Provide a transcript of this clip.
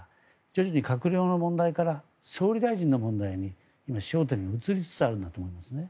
徐々に閣僚の問題から総理大臣の問題に今、焦点が移りつつあるんだと思いますね。